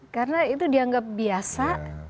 karena itu dianggap biasa